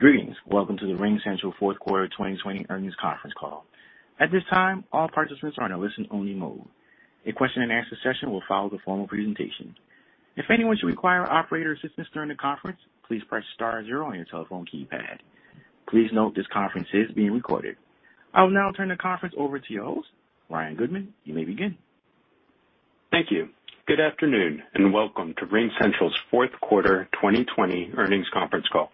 Greetings. Welcome to the RingCentral Q4 2020 Earnings Conference Call. At this time, all participants are in a listen-only mode. A question and answer session will follow the formal presentation. If anyone should require operator assistance during the conference, please press star zero on your telephone keypad. Please note this conference is being recorded. I will now turn the conference over to your host, Ryan Goodman. You may begin. Thank you. Good afternoon, and welcome to RingCentral's Q4 2020 Earnings Conference Call.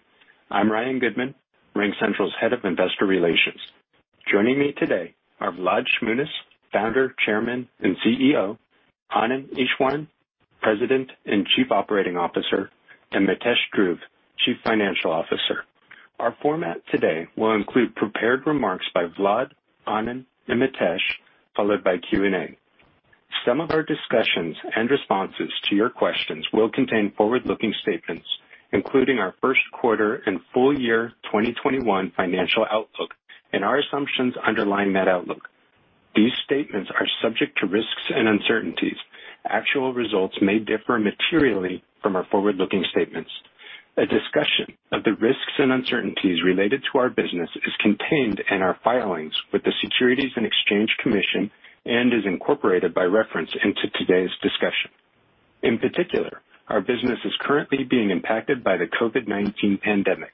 I'm Ryan Goodman, RingCentral's Head of Investor Relations. Joining me today are Vlad Shmunis, Founder, Chairman, and CEO, Anand Eswaran, President and Chief Operating Officer, and Mitesh Dhruv, Chief Financial Officer. Our format today will include prepared remarks by Vlad, Anand, and Mitesh, followed by Q&A. Some of our discussions and responses to your questions will contain forward-looking statements, including our Q1 and full-year 2021 financial outlook and our assumptions underlying that outlook. These statements are subject to risks and uncertainties. Actual results may differ materially from our forward-looking statements. A discussion of the risks and uncertainties related to our business is contained in our filings with the Securities and Exchange Commission and is incorporated by reference into today's discussion. In particular, our business is currently being impacted by the COVID-19 pandemic.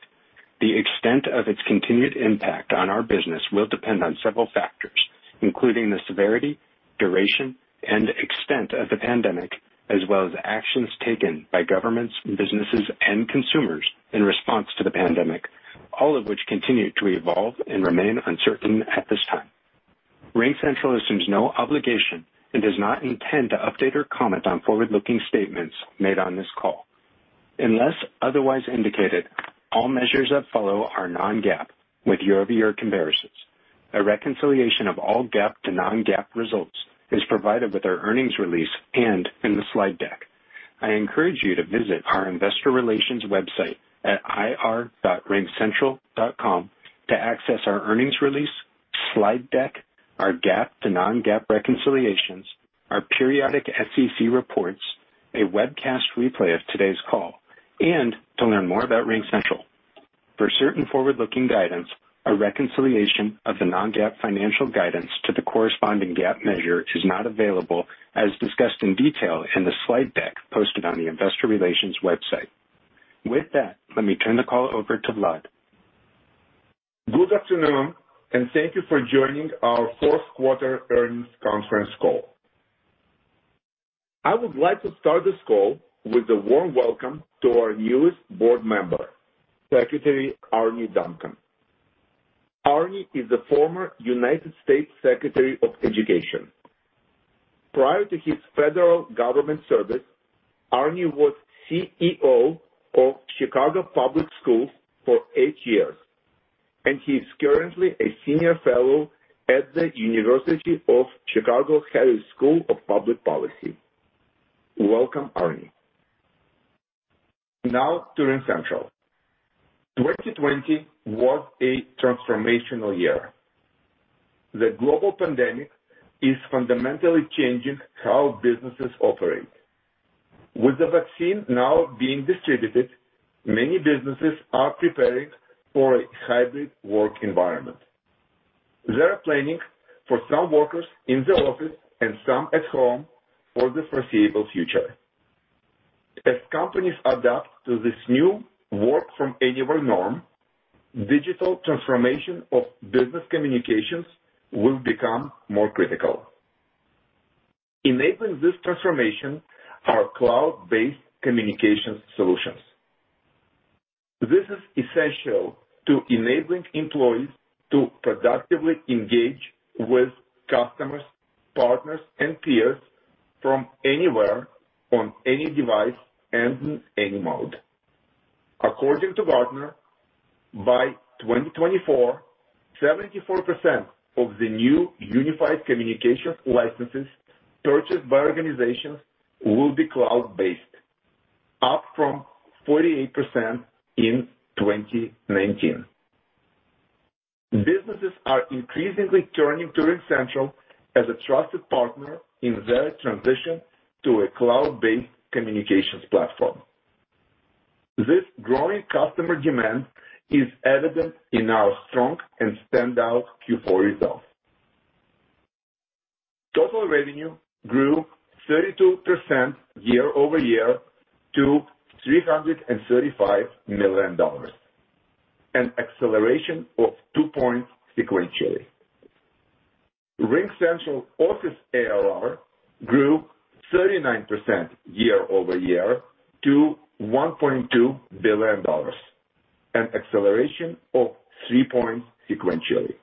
The extent of its continued impact on our business will depend on several factors, including the severity, duration, and extent of the pandemic, as well as actions taken by governments, businesses, and consumers in response to the pandemic, all of which continue to evolve and remain uncertain at this time. RingCentral assumes no obligation and does not intend to update or comment on forward-looking statements made on this call. Unless otherwise indicated, all measures that follow are non-GAAP with year-over-year comparisons. A reconciliation of all GAAP to non-GAAP results is provided with our earnings release and in the slide deck. I encourage you to visit our investor relations website at ir.ringcentral.com to access our earnings release, slide deck, our GAAP to non-GAAP reconciliations, our periodic SEC reports, a webcast replay of today's call, and to learn more about RingCentral. For certain forward-looking guidance, a reconciliation of the non-GAAP financial guidance to the corresponding GAAP measure is not available, as discussed in detail in the slide deck posted on the investor relations website. With that, let me turn the call over to Vlad. Good afternoon. Thank you for joining our Q4 Earnings Conference Call. I would like to start this call with a warm welcome to our newest Board member, Secretary Arne Duncan. Arne is the former U.S. Secretary of Education. Prior to his federal government service, Arne was CEO of Chicago Public Schools for eight years, and he's currently a senior fellow at the University of Chicago Harris School of Public Policy. Welcome, Arne. To RingCentral. 2020 was a transformational year. The global pandemic is fundamentally changing how businesses operate. The vaccine now being distributed, many businesses are preparing for a hybrid work environment. They're planning for some workers in the office and some at home for the foreseeable future. Companies adapt to this new work from anywhere norm, digital transformation of business communications will become more critical. Enabling this transformation are cloud-based communication solutions. This is essential to enabling employees to productively engage with customers, partners, and peers from anywhere on any device and in any mode. According to Gartner, by 2024, 74% of the new unified communications licenses purchased by organizations will be cloud-based, up from 48% in 2019. Businesses are increasingly turning to RingCentral as a trusted partner in their transition to a cloud-based communications platform. This growing customer demand is evident in our strong and standout Q4 results. Total revenue grew 32% year-over-year to $335 million, an acceleration of two points sequentially. RingCentral Office ARR grew 39% year-over-year to $1.2 billion, an acceleration of three points sequentially.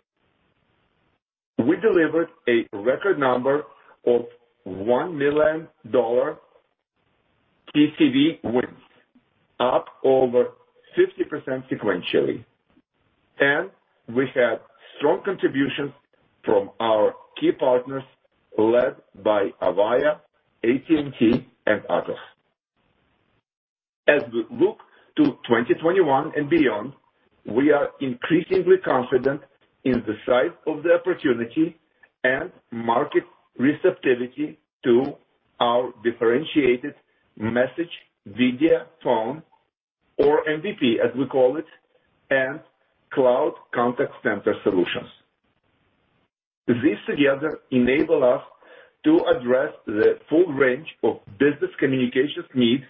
We delivered a record number of $1 million TCV wins, up over 50% sequentially, and we had strong contributions from our key partners, led by Avaya, AT&T, and Atos. As we look to 2021 and beyond, we are increasingly confident in the size of the opportunity and market receptivity to our differentiated Message Video Phone, or MVP as we call it, and cloud contact center solutions. This together enable us to address the full range of business communications needs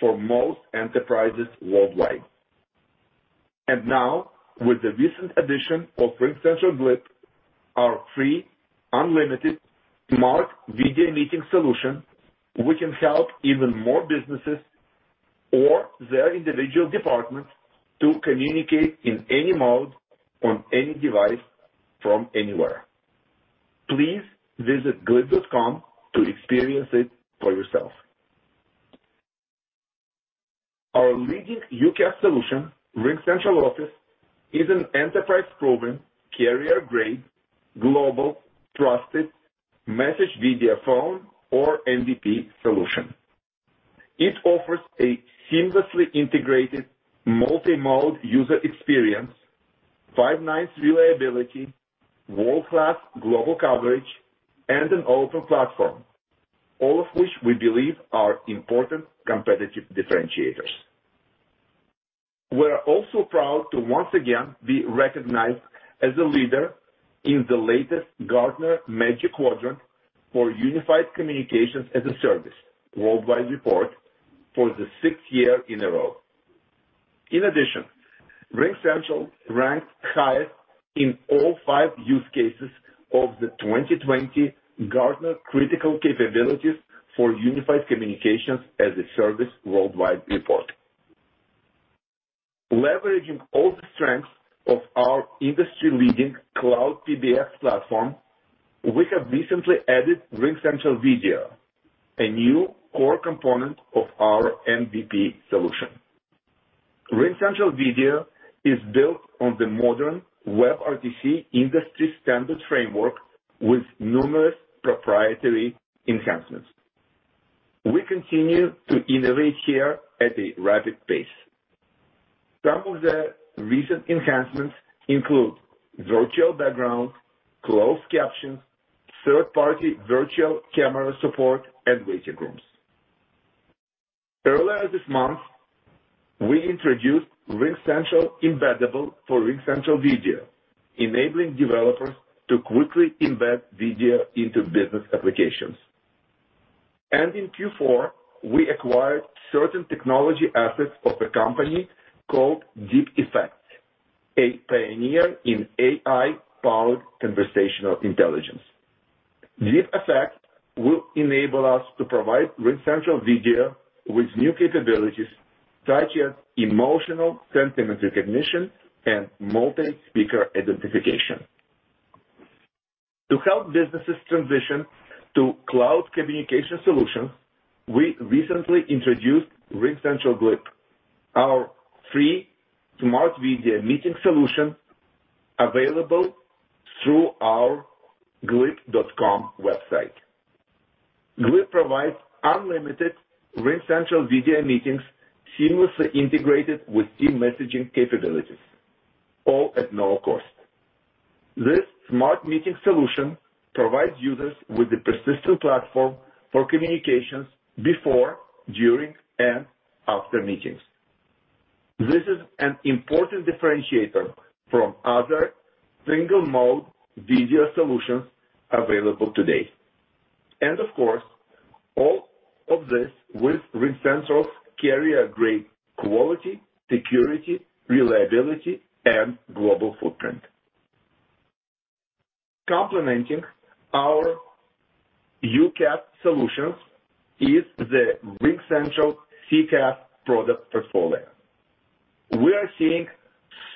for most enterprises worldwide. Now, with the recent addition of RingCentral Glip, our free unlimited smart video meeting solution, we can help even more businesses or their individual departments to communicate in any mode on any device from anywhere. Please visit glip.com to experience it for yourself. Our leading UCaaS solution, RingCentral Office, is an enterprise-proven, carrier-grade, global trusted Message Video Phone or MVP solution. It offers a seamlessly integrated multi-mode user experience, five nines reliability, world-class global coverage, and an open platform, all of which we believe are important competitive differentiators. We're also proud to once again be recognized as a leader in the latest Gartner Magic Quadrant for Unified Communications as a Service Worldwide report for the sixth year in a row. In addition, RingCentral ranked highest in all five use cases of the 2020 Gartner Critical Capabilities for Unified Communications as a Service Worldwide report. Leveraging all the strengths of our industry-leading cloud PBX platform, we have recently added RingCentral Video, a new core component of our MVP solution. RingCentral Video is built on the modern WebRTC industry standard framework with numerous proprietary enhancements. We continue to innovate here at a rapid pace. Some of the recent enhancements include virtual backgrounds, closed captions, third-party virtual camera support, and waiting rooms. Earlier this month, we introduced RingCentral Embeddable for RingCentral Video, enabling developers to quickly embed video into business applications. In Q4, we acquired certain technology assets of a company called DeepAffects, a pioneer in AI-powered conversational intelligence. DeepAffects will enable us to provide RingCentral Video with new capabilities such as emotional sentiment recognition and multi-speaker identification. To help businesses transition to cloud communication solutions, we recently introduced RingCentral Glip, our free smart video meeting solution available through our glip.com website. Glip provides unlimited RingCentral Video meetings seamlessly integrated with team messaging capabilities, all at no cost. This smart meeting solution provides users with a persistent platform for communications before, during, and after meetings. This is an important differentiator from other single-mode video solutions available today. Of course, all of this with RingCentral's carrier-grade quality, security, reliability, and global footprint. Complementing our UCaaS solutions is the RingCentral CCaaS product portfolio. We are seeing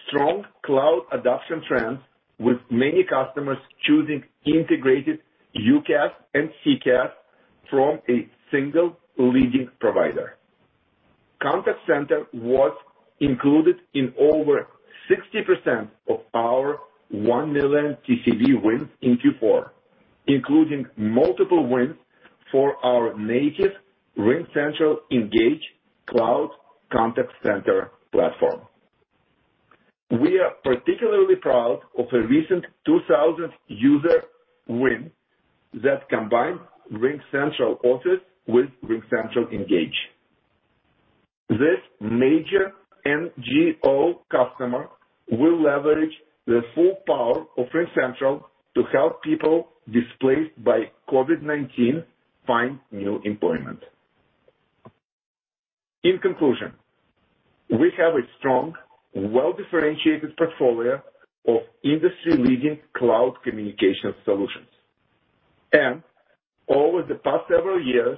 strong cloud adoption trends with many customers choosing integrated UCaaS and CCaaS from a single leading provider. Contact center was included in over 60% of our 1 million TCV wins in Q4, including multiple wins for our native RingCentral Engage cloud contact center platform. We are particularly proud of a recent 2,000 user win that combined RingCentral Office with RingCentral Engage. This major NGO customer will leverage the full power of RingCentral to help people displaced by COVID-19 find new employment. In conclusion, we have a strong, well-differentiated portfolio of industry-leading cloud communication solutions. Over the past several years,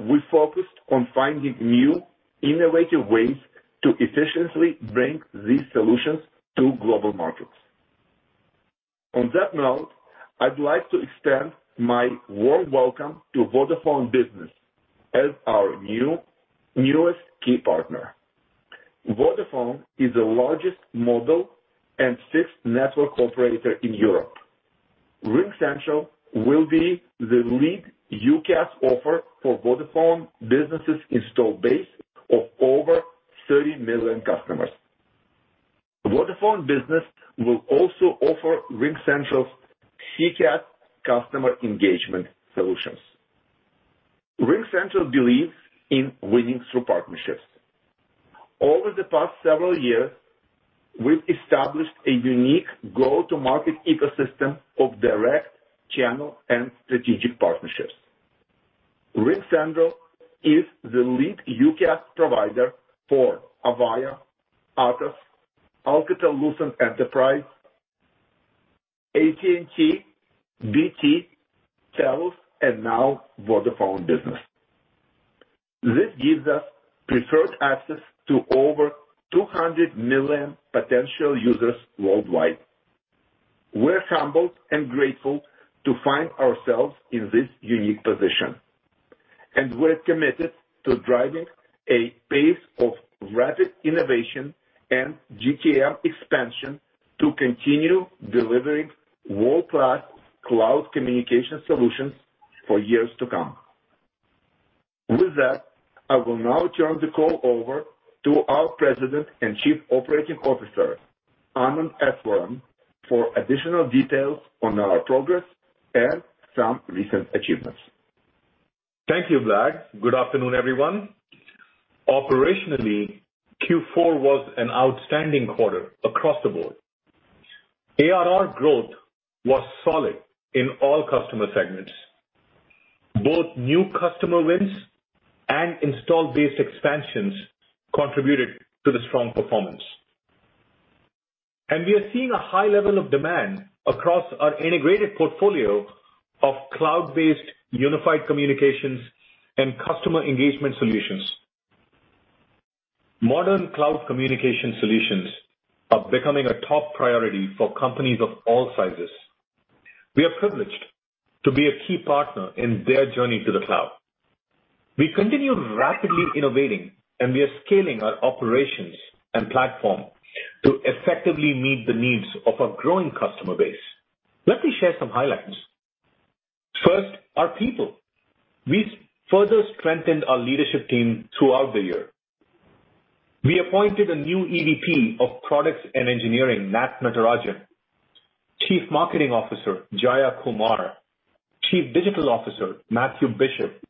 we focused on finding new, innovative ways to efficiently bring these solutions to global markets. On that note, I'd like to extend my warm welcome to Vodafone Business as our newest key partner. Vodafone is the largest mobile and sixth network operator in Europe. RingCentral will be the lead UCaaS offer for Vodafone Business' install base of over 30 million customers. Vodafone Business will also offer RingCentral's CCaaS customer engagement solutions. RingCentral believes in winning through partnerships. Over the past several years, we've established a unique go-to-market ecosystem of direct channel and strategic partnerships. RingCentral is the lead UCaaS provider for Avaya, Atos, Alcatel-Lucent Enterprise, AT&T, BT, Telus, and now Vodafone Business. This gives us preferred access to over 200 million potential users worldwide. We're humbled and grateful to find ourselves in this unique position, and we're committed to driving a pace of rapid innovation and GTM expansion to continue delivering world-class cloud communication solutions for years to come. With that, I will now turn the call over to our President and Chief Operating Officer, Anand Eswaran, for additional details on our progress and some recent achievements. Thank you, Vlad. Good afternoon, everyone. Operationally, Q4 was an outstanding quarter across the board. ARR growth was solid in all customer segments. Both new customer wins and install base expansions contributed to the strong performance. We are seeing a high level of demand across our integrated portfolio of cloud-based unified communications and customer engagement solutions. Modern cloud communication solutions are becoming a top priority for companies of all sizes. We are privileged to be a key partner in their journey to the cloud. We continue rapidly innovating, and we are scaling our operations and platform to effectively meet the needs of our growing customer base. Let me share some highlights. First, our people. We further strengthened our leadership team throughout the year. We appointed a new EVP of Products and Engineering, Nat Natarajan, Chief Marketing Officer, Jaya Kumar, Chief Digital Officer, Matthew Bishop,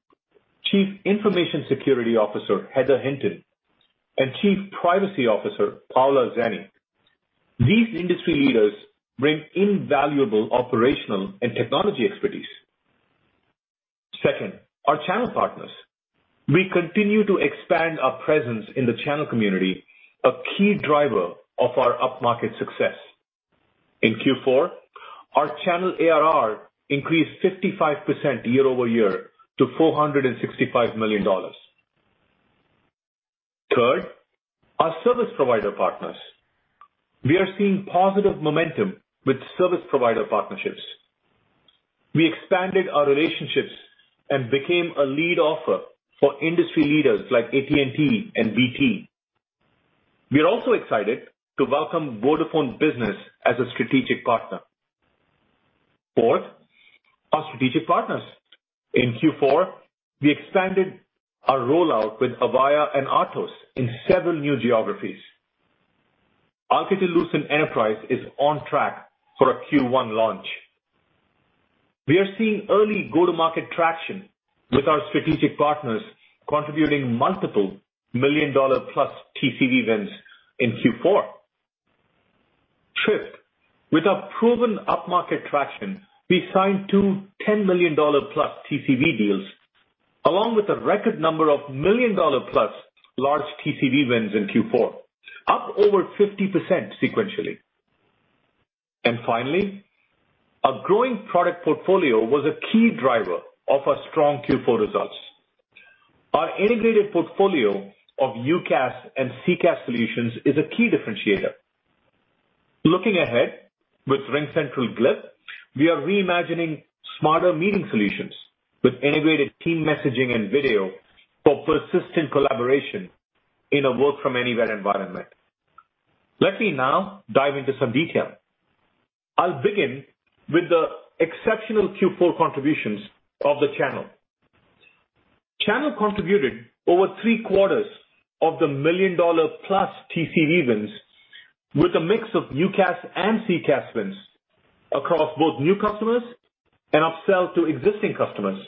Chief Information Security Officer, Heather Hinton, and Chief Privacy Officer, Paola Zani. These industry leaders bring invaluable operational and technology expertise. Second, our channel partners. We continue to expand our presence in the channel community, a key driver of our upmarket success. In Q4, our channel ARR increased 55% year-over-year to $465 million. Third, our service provider partners. We are seeing positive momentum with service provider partnerships. We expanded our relationships and became a lead offer for industry leaders like AT&T and BT. We are excited to welcome Vodafone Business as a strategic partner. Fourth, our strategic partners. In Q4, we expanded our rollout with Avaya and Atos in several new geographies. Alcatel-Lucent Enterprise is on track for a Q1 launch. We are seeing early go-to-market traction with our strategic partners contributing multiple million-dollar-plus TCV wins in Q4. Fifth, with our proven upmarket traction, we signed two $10-million-plus TCV deals, along with a record number of million-dollar-plus large TCV wins in Q4, up over 50% sequentially. Finally, our growing product portfolio was a key driver of our strong Q4 results. Our integrated portfolio of UCaaS and CCaaS solutions is a key differentiator. Looking ahead with RingCentral Glip, we are reimagining smarter meeting solutions with integrated team messaging and video for persistent collaboration in a work-from-anywhere environment. Let me now dive into some detail. I'll begin with the exceptional Q4 contributions of the channel. Channel contributed over three-quarters of the million-dollar-plus TCV wins with a mix of UCaaS and CCaaS wins across both new customers and upsell to existing customers.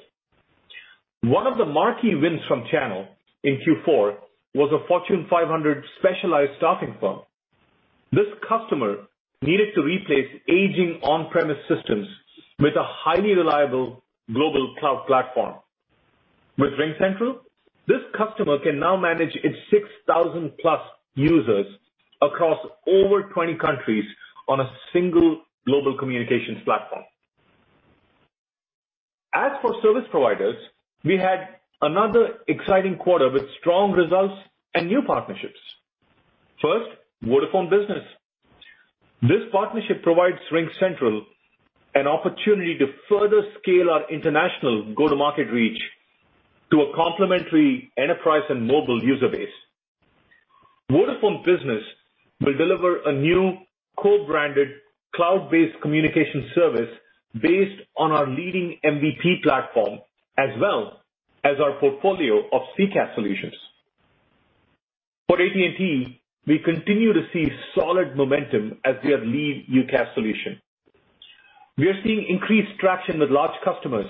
One of the marquee wins from channel in Q4 was a Fortune 500 specialized staffing firm. This customer needed to replace aging on-premise systems with a highly reliable global cloud platform. With RingCentral, this customer can now manage its 6,000-plus users across over 20 countries on a single global communications platform. As for service providers, we had another exciting quarter with strong results and new partnerships. First, Vodafone Business. This partnership provides RingCentral an opportunity to further scale our international go-to-market reach to a complementary enterprise and mobile user base. Vodafone Business will deliver a new co-branded cloud-based communication service based on our leading MVP platform, as well as our portfolio of CCaaS solutions. For AT&T, we continue to see solid momentum as their lead UCaaS solution. We are seeing increased traction with large customers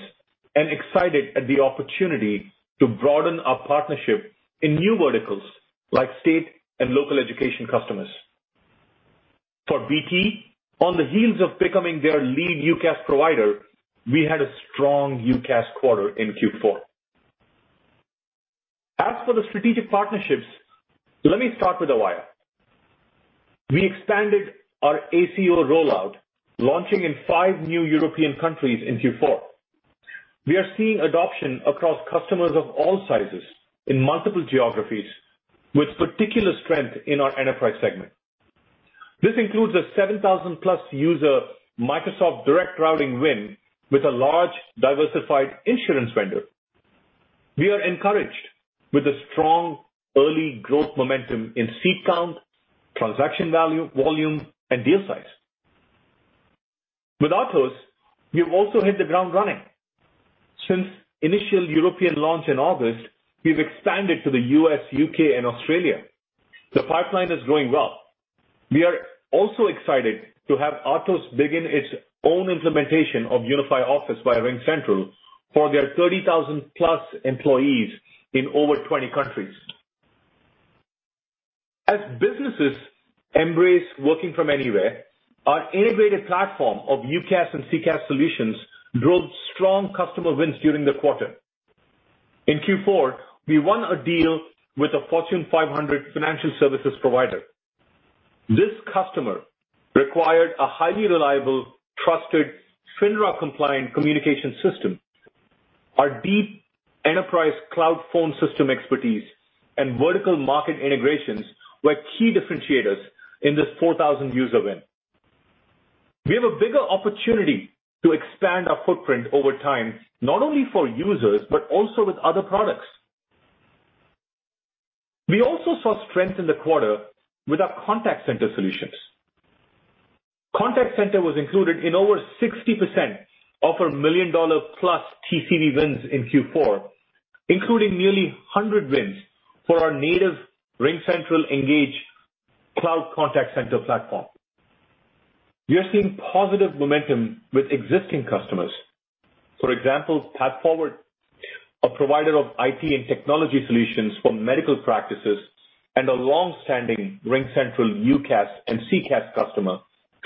and excited at the opportunity to broaden our partnership in new verticals like state and local education customers. For BT, on the heels of becoming their lead UCaaS provider, we had a strong UCaaS quarter in Q4. As for the strategic partnerships, let me start with Avaya. We expanded our ACO rollout, launching in five new European countries in Q4. We are seeing adoption across customers of all sizes in multiple geographies, with particular strength in our enterprise segment. This includes a 7,000-plus user Microsoft direct routing win with a large, diversified insurance vendor. We are encouraged with the strong early growth momentum in seat count, transaction value, volume, and deal size. With Atos, we've also hit the ground running. Since initial European launch in August, we've expanded to the U.S., U.K., and Australia. The pipeline is growing well. We are also excited to have Atos begin its own implementation of Unify Office by RingCentral for their 30,000-plus employees in over 20 countries. As businesses embrace working from anywhere, our integrated platform of UCaaS and CCaaS solutions drove strong customer wins during the quarter. In Q4, we won a deal with a Fortune 500 financial services provider. This customer required a highly reliable, trusted, FINRA-compliant communication system. Our deep enterprise cloud phone system expertise and vertical market integrations were key differentiators in this 4,000-user win. We have a bigger opportunity to expand our footprint over time, not only for users, but also with other products. We also saw strength in the quarter with our contact center solutions. Contact center was included in over 60% of our million-dollar-plus TCV wins in Q4, including nearly 100 wins for our native RingCentral Engage cloud contact center platform. We are seeing positive momentum with existing customers. For example, Path Forward, a provider of IT and technology solutions for medical practices and a longstanding RingCentral UCaaS and CCaaS customer,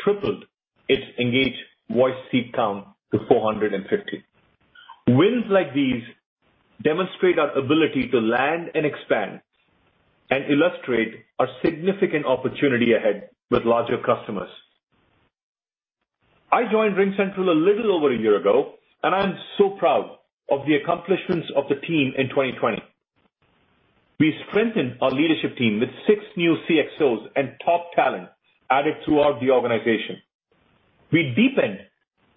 tripled its Engage voice seat count to 450. Wins like these demonstrate our ability to land and expand and illustrate our significant opportunity ahead with larger customers. I joined RingCentral a little over a year ago, and I am so proud of the accomplishments of the team in 2020. We strengthened our leadership team with six new CXOs and top talent added throughout the organization. We deepened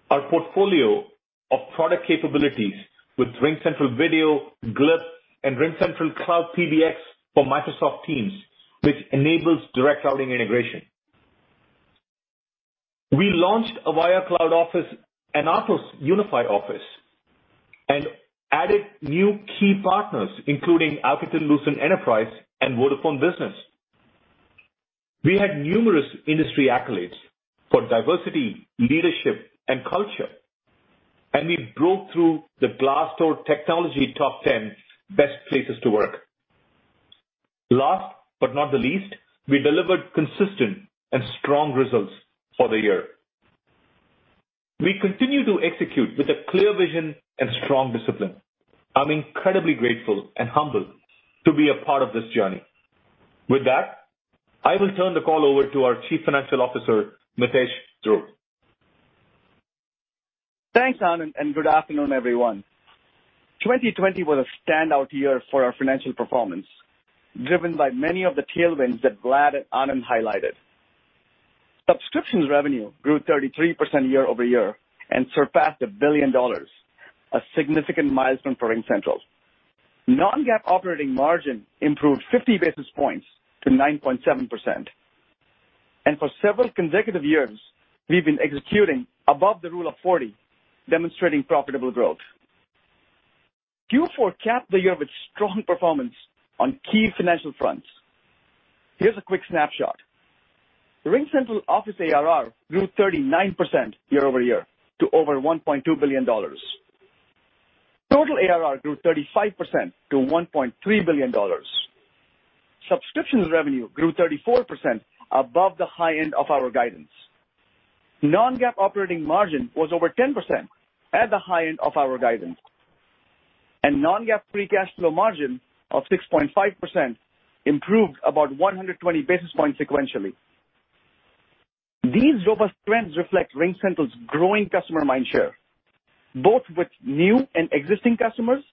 our portfolio of product capabilities with RingCentral Video, Glip, and RingCentral Cloud PBX for Microsoft Teams, which enables direct routing integration. We launched Avaya Cloud Office and Atos Unify Office and added new key partners, including Alcatel-Lucent Enterprise and Vodafone Business. We had numerous industry accolades for diversity, leadership, and culture, and we broke through the Glassdoor Technology Top 10 Best Places to Work. Last but not the least, we delivered consistent and strong results for the year. We continue to execute with a clear vision and strong discipline. I'm incredibly grateful and humbled to be a part of this journey. With that, I will turn the call over to our Chief Financial Officer, Mitesh Dhruv. Thanks, Anand, good afternoon, everyone. 2020 was a standout year for our financial performance, driven by many of the tailwinds that Vlad and Anand highlighted. Subscriptions revenue grew 33% year-over-year and surpassed $1 billion, a significant milestone for RingCentral. Non-GAAP operating margin improved 50 basis points to 9.7%. For several consecutive years, we've been executing above the rule of 40, demonstrating profitable growth. Q4 capped the year with strong performance on key financial fronts. Here's a quick snapshot. RingCentral Office ARR grew 39% year-over-year to over $1.2 billion. Total ARR grew 35% to $1.3 billion. Subscriptions revenue grew 34%, above the high end of our guidance. Non-GAAP operating margin was over 10% at the high end of our guidance, and non-GAAP free cash flow margin of 6.5% improved about 120 basis points sequentially. These robust trends reflect RingCentral's growing customer mindshare, both with new and existing customers,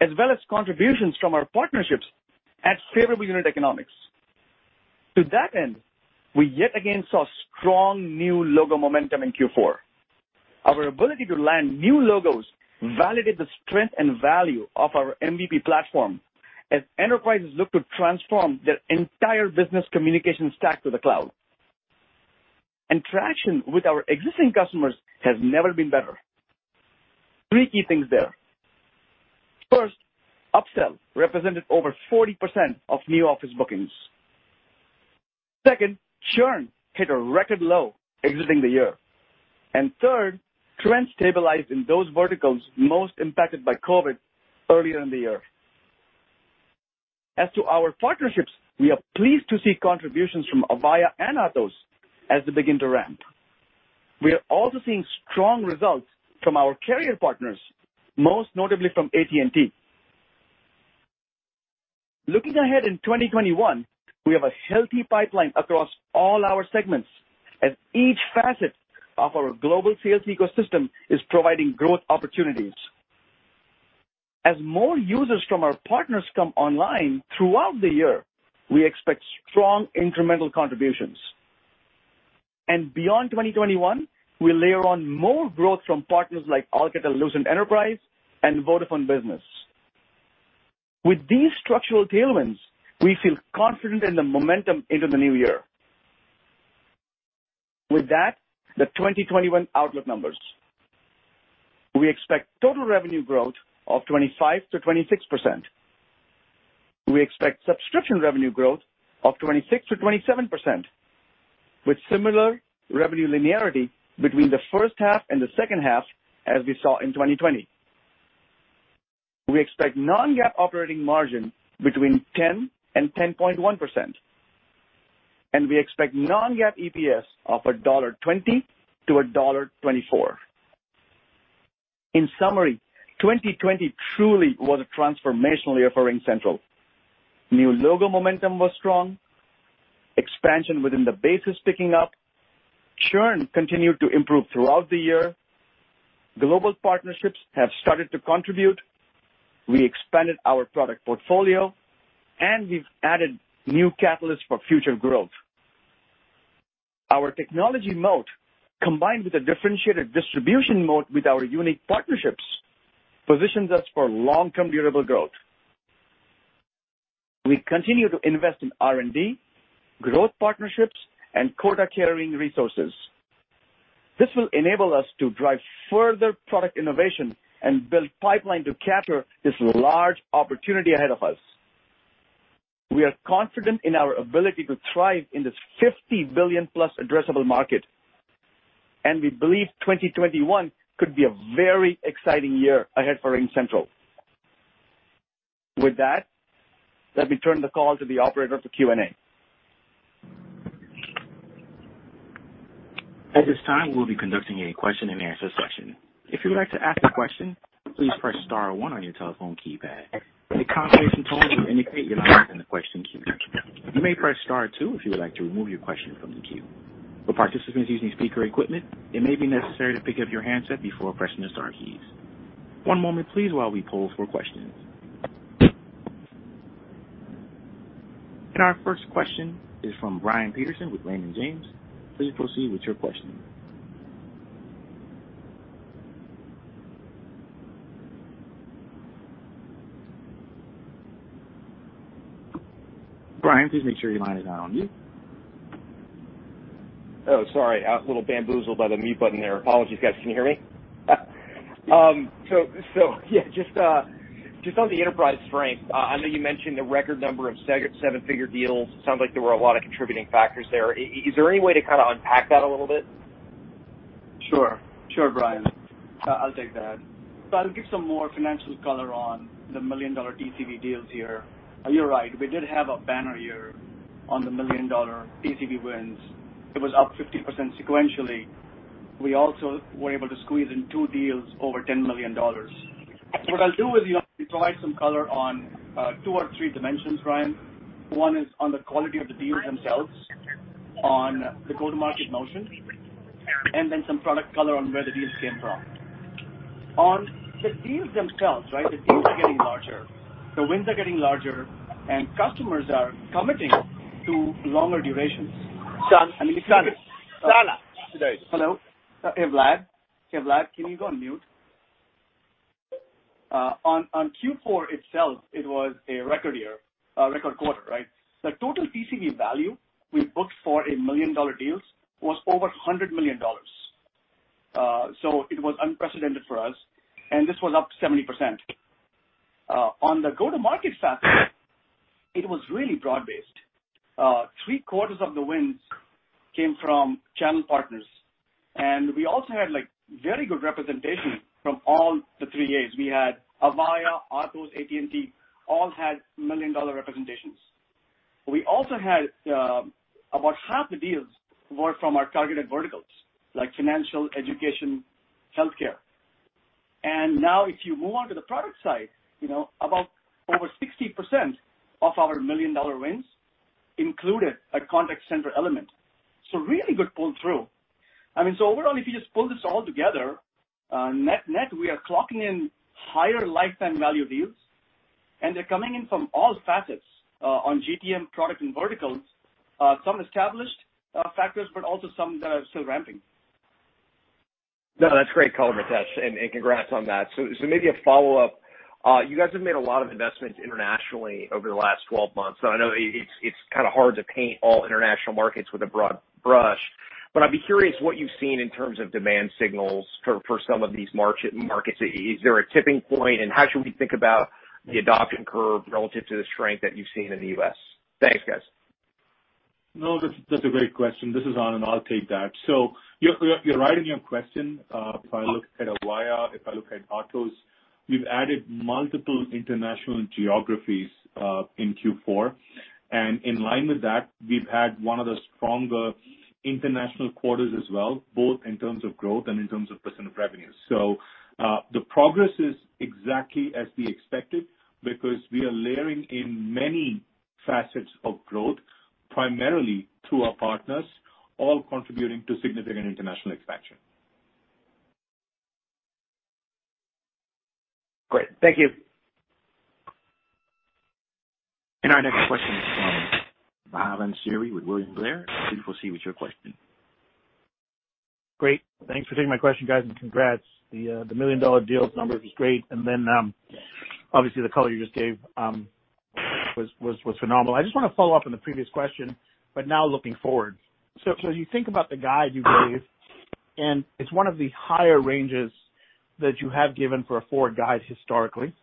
as well as contributions from our partnerships at favorable unit economics. To that end, we yet again saw strong new logo momentum in Q4. Our ability to land new logos validates the strength and value of our MVP platform as enterprises look to transform their entire business communications stack to the cloud. Traction with our existing customers has never been better. Three key things there. First, upsell represented over 40% of new Office bookings. Second, churn hit a record low exiting the year. Third, trends stabilized in those verticals most impacted by COVID-19 earlier in the year. As to our partnerships, we are pleased to see contributions from Avaya and Atos as they begin to ramp. We are also seeing strong results from our carrier partners, most notably from AT&T. Looking ahead in 2021, we have a healthy pipeline across all our segments as each facet of our global sales ecosystem is providing growth opportunities. As more users from our partners come online throughout the year, we expect strong incremental contributions. Beyond 2021, we layer on more growth from partners like Alcatel-Lucent Enterprise and Vodafone Business. With these structural tailwinds, we feel confident in the momentum into the new year. With that, the 2021 outlook numbers. We expect total revenue growth of 25%-26%. We expect subscription revenue growth of 26%-27%, with similar revenue linearity between the first half and the second half as we saw in 2020. We expect non-GAAP operating margin between 10% and 10.1%. We expect non-GAAP EPS of $1.20-$1.24. In summary, 2020 truly was a transformational year for RingCentral. New logo momentum was strong, expansion within the base is ticking up, churn continued to improve throughout the year, global partnerships have started to contribute, we expanded our product portfolio, and we've added new catalysts for future growth. Our technology moat, combined with a differentiated distribution moat with our unique partnerships, positions us for long-term durable growth. We continue to invest in R&D, growth partnerships, and core data carrying resources. This will enable us to drive further product innovation and build pipeline to capture this large opportunity ahead of us. We are confident in our ability to thrive in this $50 billion-plus addressable market, and we believe 2021 could be a very exciting year ahead for RingCentral. With that, let me turn the call to the operator for Q&A. Our first question is from Brian Peterson with Raymond James. Please proceed with your question. Brian, please make sure your line is on mute. Sorry. A little bamboozled by the mute button there. Apologies, guys. Can you hear me? Just on the enterprise strength, I know you mentioned a record number of seven-figure deals. Sounds like there were a lot of contributing factors there. Is there any way to kind of unpack that a little bit? Sure, Brian. I'll take that. I'll give some more financial color on the $1 million TCV deals here. You're right, we did have a banner year on the $1 million TCV wins. It was up 50% sequentially. We also were able to squeeze in two deals over $10 million. What I'll do is provide some color on two or three dimensions, Brian. One is on the quality of the deals themselves, on the go-to-market motion, and then some product color on where the deals came from. On the deals themselves, the deals are getting larger, the wins are getting larger, and customers are committing to longer durations. Hello? Hey, Vlad. Hey, Vlad, can you go on mute? On Q4 itself, it was a record quarter, right? The total TCV value we booked for $1 million deals was over $100 million. It was unprecedented for us, and this was up 70%. On the go-to-market side, it was really broad-based. Three-quarters of the wins came from channel partners, and we also had very good representation from all the three As. We had Avaya, Atos, AT&T, all had million-dollar representations. We also had about half the deals were from our targeted verticals, like financial, education, healthcare. Now if you move on to the product side, over 60% of our million-dollar wins included a contact center element. Really good pull-through. Overall, if you just pull this all together, net, we are clocking in higher lifetime value deals. They're coming in from all facets on GTM product and verticals, some established factors, but also some that are still ramping. No, that's great color, Mitesh, and congrats on that. Maybe a follow-up. You guys have made a lot of investments internationally over the last 12 months. I know it's kind of hard to paint all international markets with a broad brush, but I'd be curious what you've seen in terms of demand signals for some of these markets. Is there a tipping point, and how should we think about the adoption curve relative to the strength that you've seen in the U.S.? Thanks, guys. No, that's a great question. This is Anand. I'll take that. You're right in your question. If I look at Avaya, if I look at Atos, we've added multiple international geographies, in Q4. In line with that, we've had one of the stronger international quarters as well, both in terms of growth and in terms of percentage of revenue. The progress is exactly as we expected because we are layering in many facets of growth, primarily through our partners, all contributing to significant international expansion. Great. Thank you. Our next question is from Bhavan Suri with William Blair. Please go see with your question. Great. Thanks for taking my question, guys, and congrats. The million-dollar deals number is great. Obviously the color you just gave was phenomenal. I just want to follow up on the previous question, but now looking forward. As you think about the guide you gave, and it's one of the higher ranges that you have given for a forward guide historically,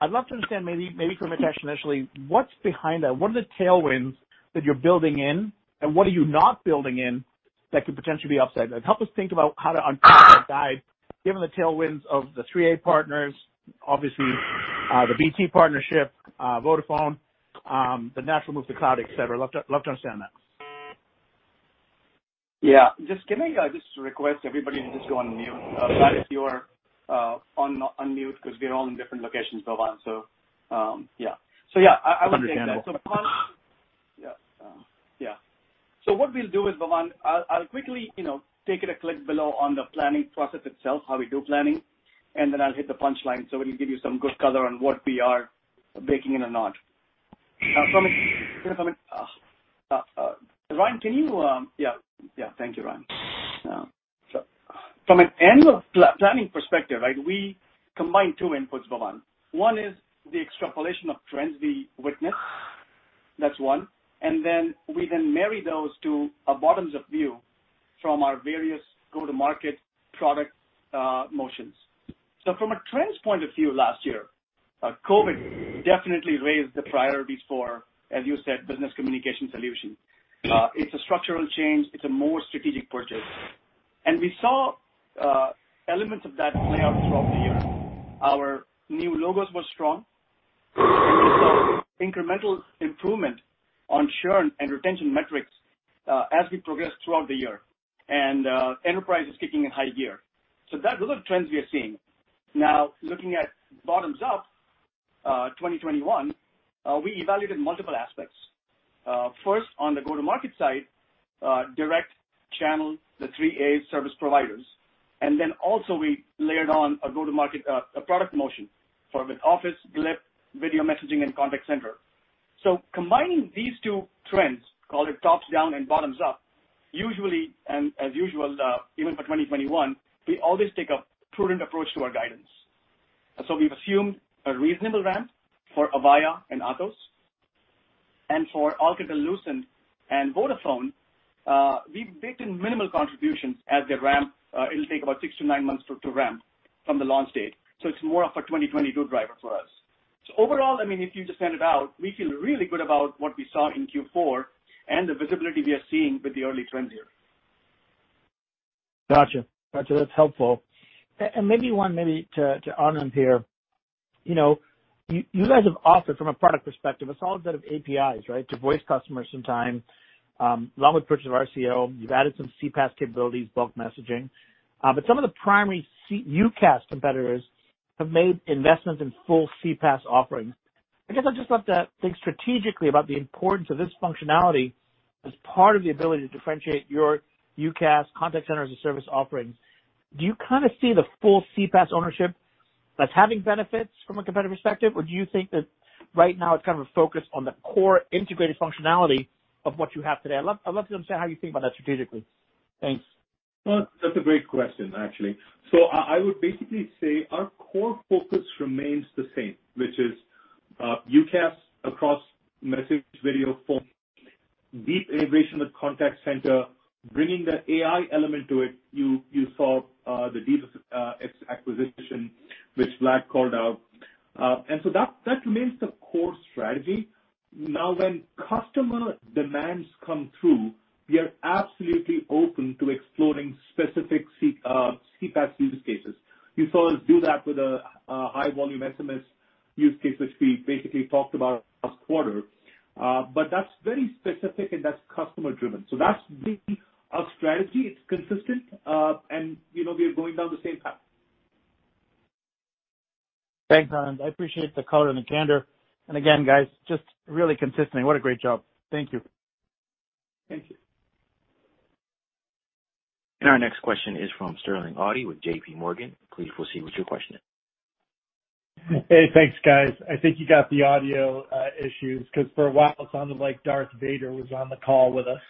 I'd love to understand maybe from Mitesh initially, what's behind that? What are the tailwinds that you're building in, and what are you not building in that could potentially be upside? Help us think about how to unpack that guide given the tailwinds of the 3A partners, obviously, the BT partnership, Vodafone, the natural move to cloud, et cetera. Love to understand that. Yeah. Can I just request everybody to just go on mute, Vlad, if you are on mute, because we're all in different locations, Bhavan. Yeah. Yeah, I would say that. It's understandable. What we'll do is, Bhavan, I'll quickly take it a click below on the planning process itself, how we do planning, and then I'll hit the punchline so we can give you some good color on what we are baking in or not. Ryan, Thank you, Ryan. From an annual planning perspective, we combine two inputs, Bhavan. One is the extrapolation of trends we witness. That's one. We then marry those to a bottoms-up view from our various go-to-market product motions. From a trends point of view last year, COVID definitely raised the priorities for, as you said, business communication solutions. It's a structural change. It's a more strategic purchase. We saw elements of that play out throughout the year. Our new logos were strong, and we saw incremental improvement on churn and retention metrics as we progressed throughout the year. Enterprise is kicking in high gear. Those are trends we are seeing. Now, looking at bottoms-up 2021, we evaluated multiple aspects. First, on the go-to-market side, direct channel, the 3A service providers. Then also we layered on a go-to-market, a product motion from an office, Glip, video messaging, and contact center. Combining these two trends, call it tops-down and bottoms-up, usually, and as usual, even for 2021, we always take a prudent approach to our guidance. We've assumed a reasonable ramp for Avaya and Atos. For Alcatel-Lucent and Vodafone, we've baked in minimal contributions as they ramp. It'll take about six to nine months to ramp from the launch date, so it's more of a 2022 driver for us. Overall, if you just send it out, we feel really good about what we saw in Q4 and the visibility we are seeing with the early trends here. Got you. That's helpful. Maybe one maybe to Anand here. You guys have offered from a product perspective, a solid set of APIs, right? To voice customers sometime. Along with purchase of RCO, you've added some CPaaS capabilities, bulk messaging. Some of the primary UCaaS competitors have made investments in full CPaaS offerings. I guess I'd just love to think strategically about the importance of this functionality as part of the ability to differentiate your UCaaS contact centers as a service offering. Do you kind of see the full CPaaS ownership that's having benefits from a competitive perspective? Do you think that right now it's kind of a focus on the core integrated functionality of what you have today? I'd love to understand how you think about that strategically. Thanks. That's a great question, actually. I would basically say our core focus remains the same, which is UCaaS across message, video, phone, deep integration with contact center, bringing that AI element to it. You saw the DeepAffects acquisition, which Vlad called out. That remains the core strategy. Now, when customer demands come through, we are absolutely open to exploring specific CPaaS use cases. You saw us do that with a high-volume SMS use case, which we basically talked about last quarter. That's very specific, and that's customer-driven. That's been our strategy. It's consistent, and we are going down the same path. Thanks, Anand. I appreciate the color and the candor. Again, guys, just really consistently, what a great job. Thank you. Thank you. Our next question is from Sterling Auty with JPMorgan. Please proceed with your question. Hey, thanks, guys. I think you got the audio issues, because for a while, it sounded like Darth Vader was on the call with us.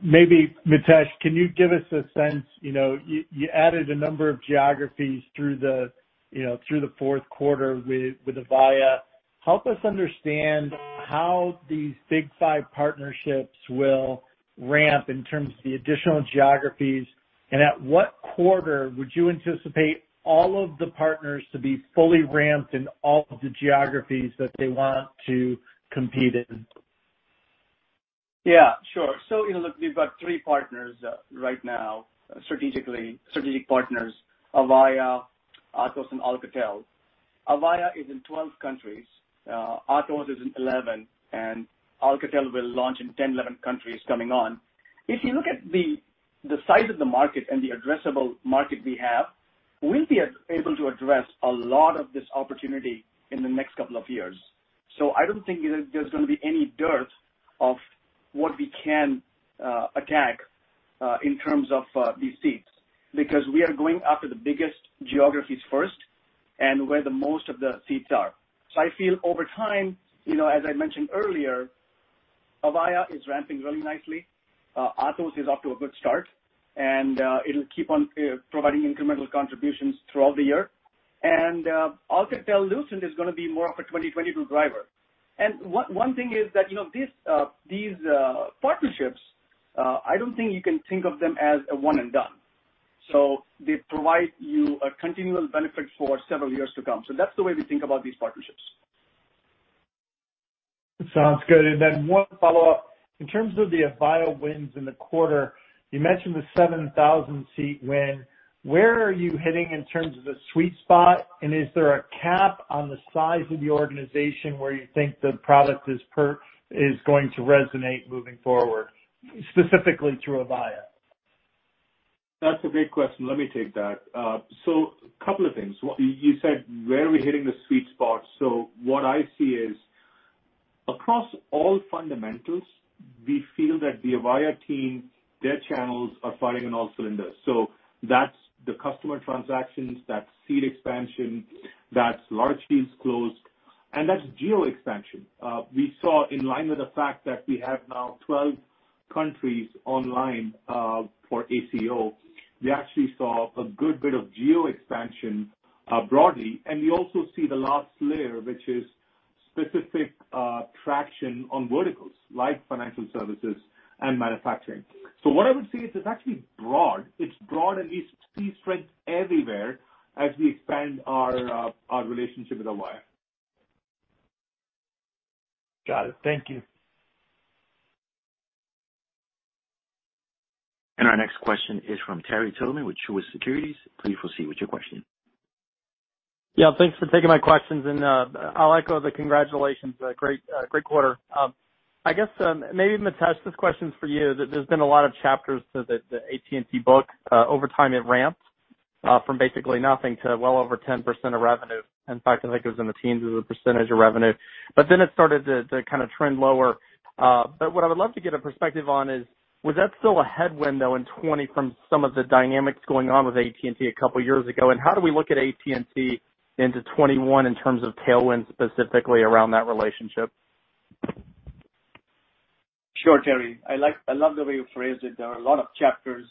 Maybe, Mitesh, can you give us a sense, you added a number of geographies through the fourth quarter with Avaya. Help us understand how these big five partnerships will ramp in terms of the additional geographies, and at what quarter would you anticipate all of the partners to be fully ramped in all of the geographies that they want to compete in? Yeah, sure. Look, we've got three partners right now, strategic partners, Avaya, Atos, and Alcatel. Avaya is in 12 countries. Atos is in 11, and Alcatel will launch in 10, 11 countries coming on. If you look at the size of the market and the addressable market we have, we'll be able to address a lot of this opportunity in the next couple of years. I don't think there's going to be any dearth of what we can attack in terms of these seats, because we are going after the biggest geographies first and where the most of the seats are. I feel over time, as I mentioned earlier, Avaya is ramping really nicely. Atos is off to a good start, and it'll keep on providing incremental contributions throughout the year. Alcatel Lucent is going to be more of a 2022 driver. One thing is that these partnerships, I don't think you can think of them as a one and done. They provide you a continual benefit for several years to come. That's the way we think about these partnerships. Sounds good. Then one follow-up. In terms of the Avaya wins in the quarter, you mentioned the 7,000-seat win. Where are you hitting in terms of the sweet spot, and is there a cap on the size of the organization where you think the product is going to resonate moving forward, specifically through Avaya? That's a great question. Let me take that. A couple of things. You said, where are we hitting the sweet spot? What I see is, across all fundamentals, we feel that the Avaya team, their channels are firing on all cylinders. That's the customer transactions, that's seat expansion, that's large deals closed, and that's geo expansion. We saw in line with the fact that we have now 12 countries online, for ACO. We actually saw a good bit of geo expansion broadly, and we also see the last layer, which is specific traction on verticals like financial services and manufacturing. What I would say is it's actually broad. It's broad and we see strength everywhere as we expand our relationship with Avaya. Got it. Thank you. Our next question is from Terry Tillman with Truist Securities. Please proceed with your question. Yeah, thanks for taking my questions. I'll echo the congratulations. Great quarter. I guess, maybe, Mitesh, this question's for you. There's been a lot of chapters to the AT&T book. Over time, it ramped, from basically nothing to well over 10% of revenue. In fact, I think it was in the teens as a percentage of revenue. Then it started to kind of trend lower. What I would love to get a perspective on is, was that still a headwind, though, in 2020 from some of the dynamics going on with AT&T a couple of years ago? How do we look at AT&T into 2021 in terms of tailwind, specifically around that relationship? Sure, Terry. I love the way you phrased it. There are a lot of chapters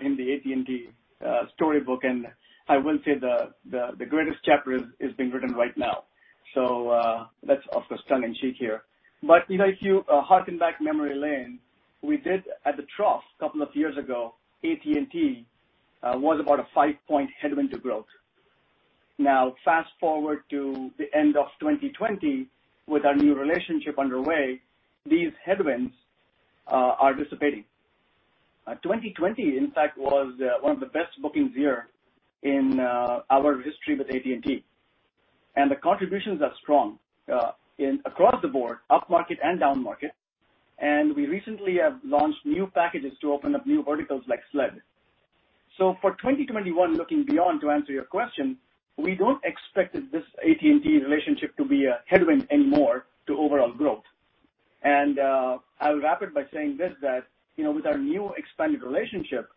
in the AT&T storybook. I will say the greatest chapter is being written right now. That's of course tongue in cheek here. If you harken back memory lane, we did at the trough couple of years ago, AT&T was about a five-point headwind to growth. Now fast-forward to the end of 2020 with our new relationship underway, these headwinds are dissipating. 2020, in fact, was one of the best bookings year in our history with AT&T. The contributions are strong across the board, upmarket and downmarket. We recently have launched new packages to open up new verticals like SLED. For 2021, looking beyond, to answer your question, we don't expect this AT&T relationship to be a headwind anymore to overall growth. I'll wrap it by saying this, that, with our new expanded relationship,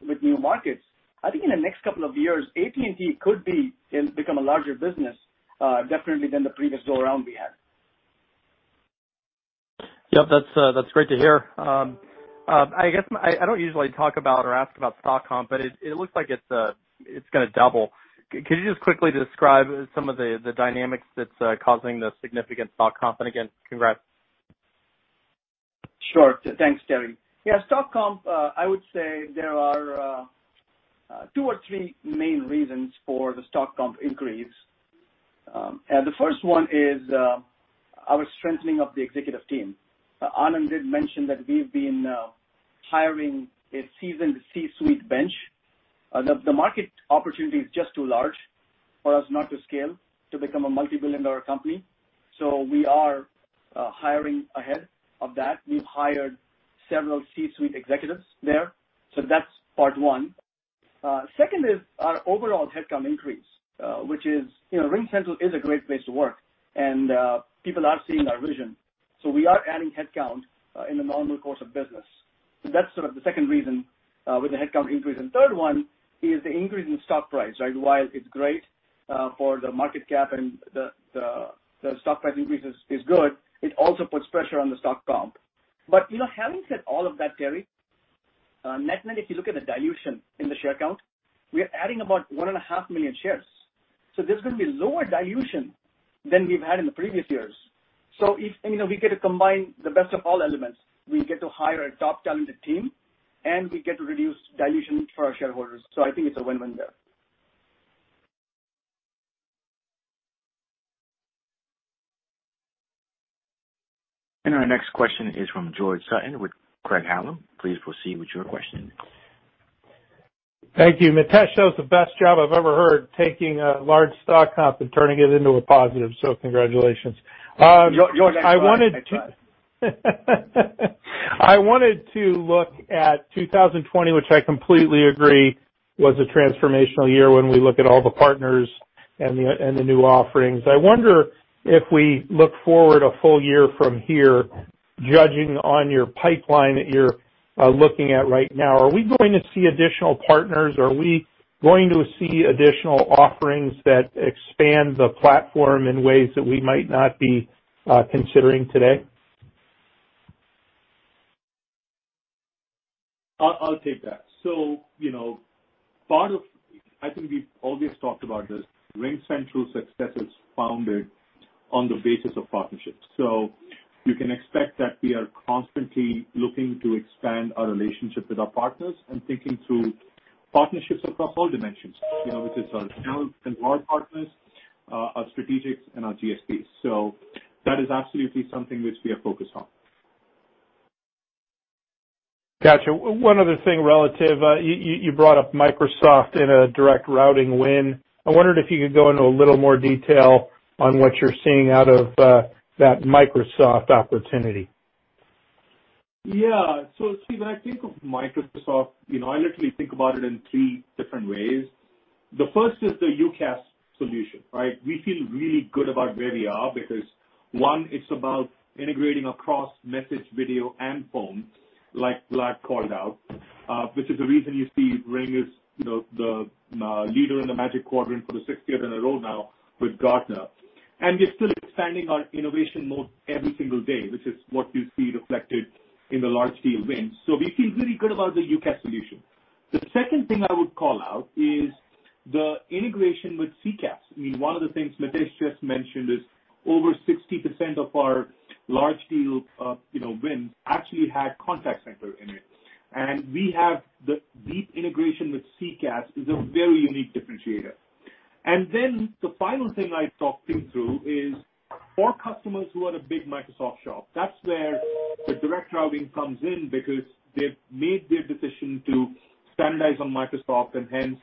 with new markets, I think in the next couple of years, AT&T could become a larger business, definitely than the previous go-around we had. Yep. That's great to hear. I don't usually talk about or ask about stock comp, but it looks like it's going to double. Could you just quickly describe some of the dynamics that's causing the significant stock comp? Again, congrats. Sure. Thanks, Terry. Yeah, stock comp, I would say there are two or three main reasons for the stock comp increase. The first one is our strengthening of the executive team. Anand did mention that we've been hiring a seasoned C-suite bench. The market opportunity is just too large for us not to scale to become a multi-billion dollar company. We are hiring ahead of that. We've hired several C-suite executives there. That's part one. Second is our overall headcount increase, which is RingCentral is a great place to work, and people are seeing our vision. We are adding headcount in the normal course of business. That's sort of the second reason with the headcount increase. Third one is the increase in stock price. While it's great for the market cap and the stock price increase is good, it also puts pressure on the stock comp. Having said all of that, Terry, net, if you look at the dilution in the share count, we are adding about 1.5 million shares. There's going to be lower dilution than we've had in the previous years. We get to combine the best of all elements. We get to hire a top talented team, and we get to reduce dilution for our shareholders. I think it's a win-win there. Our next question is from George Sutton with Craig-Hallum. Please proceed with your question. Thank you. Mitesh does the best job I've ever heard taking a large stock comp and turning it into a positive, so congratulations. You're next. I wanted to look at 2020, which I completely agree was a transformational year when we look at all the partners and the new offerings. I wonder if we look forward a full year from here, judging on your pipeline that you're looking at right now, are we going to see additional partners? Are we going to see additional offerings that expand the platform in ways that we might not be considering today? I'll take that. Part of I think we've always talked about this. RingCentral's success is founded on the basis of partnerships. You can expect that we are constantly looking to expand our relationships with our partners and thinking through partnerships across all dimensions, which is our channel and large partners, our strategics, and our GSPs. That is absolutely something which we are focused on. Got you. One other thing relative. You brought up Microsoft in a direct routing win. I wondered if you could go into a little more detail on what you're seeing out of that Microsoft opportunity. When I think of Microsoft, I literally think about it in three different ways. The first is the UCaaS solution. We feel really good about where we are because one, it's about integrating across message, video, and phone, like Vlad called out, which is the reason you see Ring is the leader in the Magic Quadrant for the sixth year in a row now with Gartner. We're still expanding our innovation mode every single day, which is what you see reflected in the large deal wins. We feel really good about the UCaaS solution. The second thing I would call out is the integration with CCaaS. One of the things Mitesh just mentioned is over 60% of our large deal wins actually had contact center in it. We have the deep integration with CCaaS is a very unique differentiator. The final thing I talked through is for customers who are a big Microsoft shop, that's where the direct routing comes in because they've made their decision to standardize on Microsoft and hence,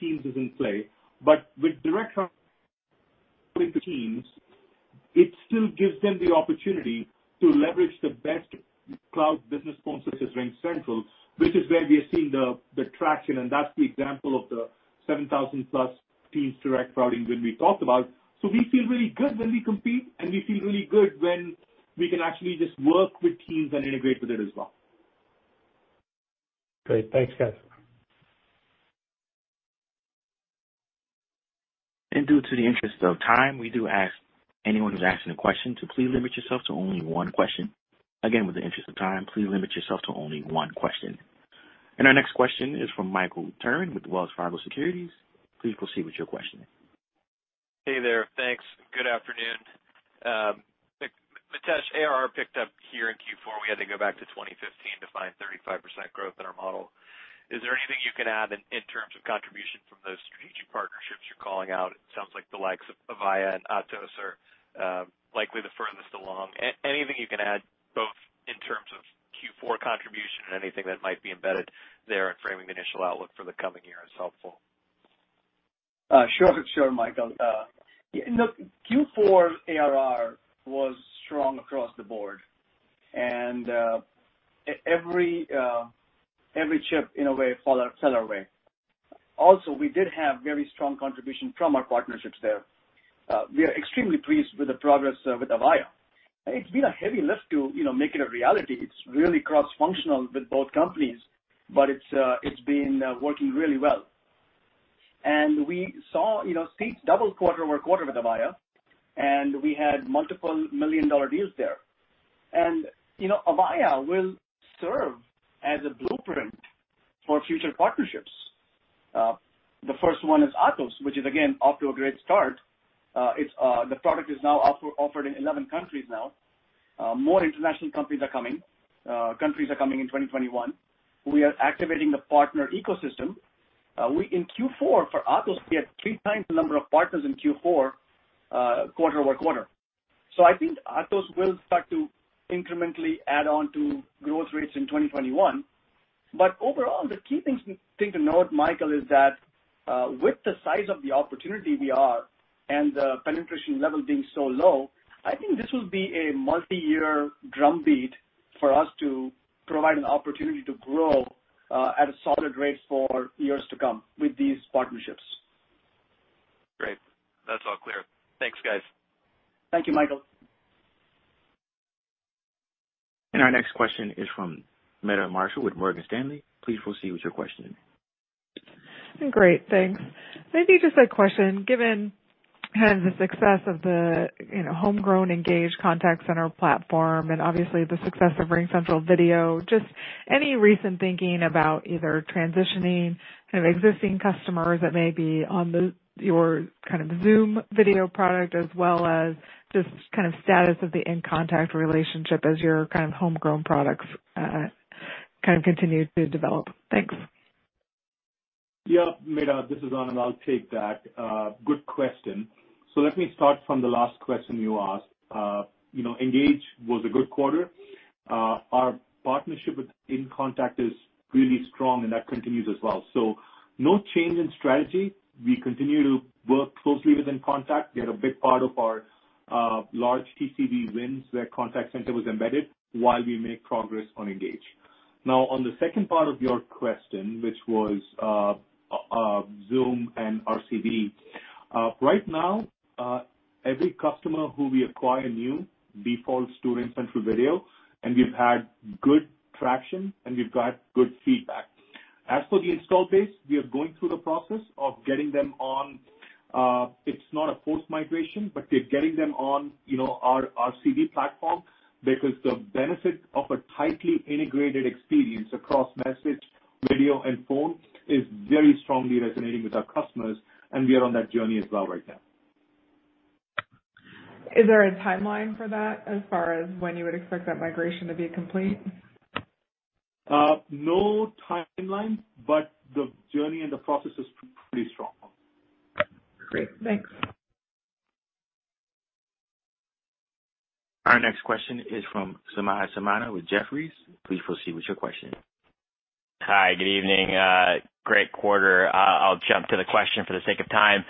Teams is in play. With direct routing for Teams, it still gives them the opportunity to leverage the best cloud-based business phone such as RingCentral, which is where we are seeing the traction, and that's the example of the 7,000-plus Teams direct routing win we talked about. We feel really good when we compete, and we feel really good when we can actually just work with Teams and integrate with it as well. Great. Thanks, guys. Due to the interest of time, we do ask anyone who's asking a question to please limit yourself to only one question. Again, with the interest of time, please limit yourself to only one question. Our next question is from Michael Turrin with Wells Fargo Securities. Please proceed with your question. Hey there. Thanks. Good afternoon. Mitesh, ARR picked up here in Q4. We had to go back to 2015 to find 35% growth in our model. Is there anything you can add in terms of contribution from those strategic partnerships you're calling out? It sounds like the likes of Avaya and Atos are likely the furthest along. Anything you can add, both in terms of Q4 contribution and anything that might be embedded there in framing the initial outlook for the coming year is helpful. Sure, Michael. Q4 ARR was strong across the board, every chip in a way fell our way. Also, we did have very strong contribution from our partnerships there. We are extremely pleased with the progress with Avaya. It's been a heavy lift to make it a reality. It's really cross-functional with both companies, it's been working really well. We saw seats double quarter-over-quarter with Avaya, and we had multiple million-dollar deals there. Avaya will serve as a blueprint for future partnerships. The first one is Atos, which is again, off to a great start. The product is now offered in 11 countries now. More international companies are coming, countries are coming in 2021. We are activating the partner ecosystem. In Q4 for Atos, we had three times the number of partners in Q4, quarter-over-quarter. I think Atos will start to incrementally add on to growth rates in 2021. Overall, the key thing to note, Michael, is that with the size of the opportunity we are and the penetration level being so low, I think this will be a multi-year drumbeat for us to provide an opportunity to grow at a solid rate for years to come with these partnerships. Great. That's all clear. Thanks, guys. Thank you, Michael. Our next question is from Meta Marshall with Morgan Stanley. Please proceed with your question. Great, thanks. Maybe just a question. Given kind of the success of the homegrown RingCentral Engage contact center platform and obviously the success of RingCentral Video, just any recent thinking about either transitioning kind of existing customers that may be on your kind of Zoom video product as well as just kind of status of the inContact relationship as your kind of homegrown products kind of continue to develop. Thanks. Yeah, Meta, this is Anand. I'll take that. Good question. Let me start from the last question you asked. Engage was a good quarter. Our partnership with inContact is really strong, and that continues as well. No change in strategy. We continue to work closely with inContact. They had a big part of our large TCV wins where contact center was embedded while we make progress on Engage. On the second part of your question, which was Zoom and RCV. Right now, every customer who we acquire new defaults to RingCentral Video, and we've had good traction, and we've got good feedback. As for the install base, we are going through the process of getting them on, it's not a forced migration, but we're getting them on our RCV platform because the benefit of a tightly integrated experience across message, video, and phone is very strongly resonating with our customers, and we are on that journey as well right now. Is there a timeline for that as far as when you would expect that migration to be complete? No timeline, but the journey and the process is pretty strong. Great. Thanks. Our next question is from Samad Samana with Jefferies. Please proceed with your question. Hi, good evening. Great quarter. I'll jump to the question for the sake of time.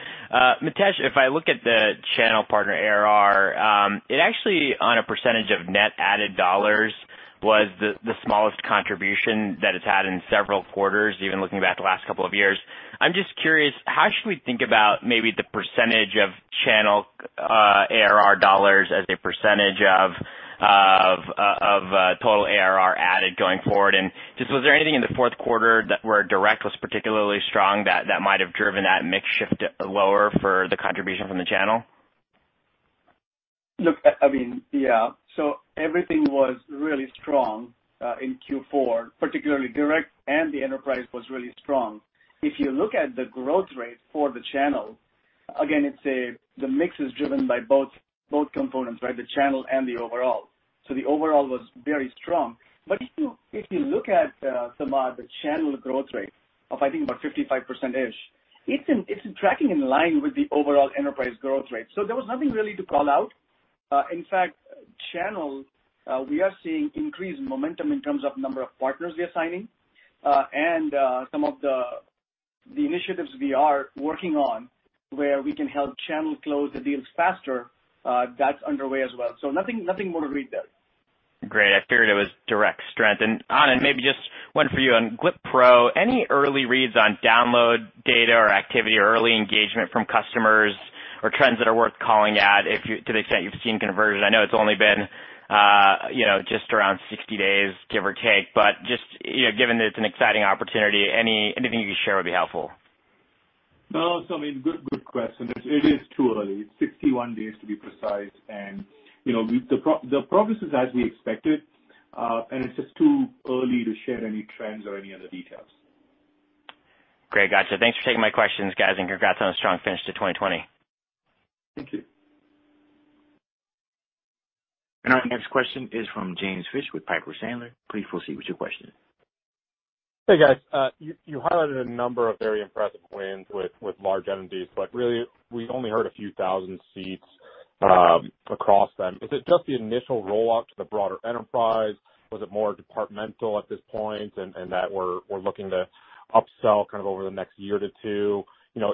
Mitesh, if I look at the channel partner ARR, it actually, on a percentage of net added dollars, was the smallest contribution that it's had in several quarters, even looking back the last couple of years. I'm just curious, how should we think about maybe the percentage of channel ARR dollars as a percentage of total ARR added going forward? Was there anything in the Q4 that where direct was particularly strong that might have driven that mix shift lower for the contribution from the channel? Look=, I mean, yeah. Everything was really strong in Q4, particularly direct, and the enterprise was really strong. If you look at the growth rate for the channel, again, the mix is driven by both components, right? The channel and the overall. The overall was very strong. If you look at, Samad, the channel growth rate of, I think, about 55%-ish, it's tracking in line with the overall enterprise growth rate. There was nothing really to call out. In fact, channel, we are seeing increased momentum in terms of number of partners we are signing, and some of the initiatives we are working on where we can help channel close the deals faster, that's underway as well. Nothing noteworthy there. Great. I figured it was direct strength. Anand, maybe just one for you on Glip Pro. Any early reads on download data or activity or early engagement from customers or trends that are worth calling out to the extent you've seen conversion? I know it's only been just around 60 days, give or take, but just given that it's an exciting opportunity, anything you can share would be helpful. No, Samad, good question. It is too early. 61 days to be precise. The progress is as we expected, and it's just too early to share any trends or any other details. Great. Gotcha. Thanks for taking my questions, guys, and congrats on a strong finish to 2020. Thank you. Our next question is from James Fish with Piper Sandler. Please proceed with your question. Hey, guys. You highlighted a number of very impressive wins with large entities, really we only heard a few thousand seats across them. Is it just the initial rollout to the broader enterprise? Was it more departmental at this point and that we're looking to upsell kind of over the next year to two,